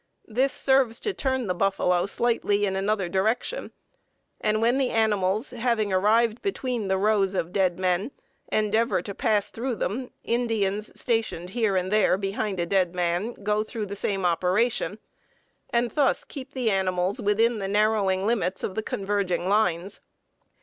This serves to turn the buffalo slightly in another direction, and when the animals, having arrived between the rows of 'dead men,' endeavor to pass through them, Indians stationed here and there behind a 'dead man' go through the same operation, and thus keep the animals within the narrowing limits of the converging lines.